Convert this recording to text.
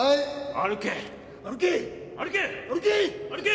歩け歩け歩け歩け！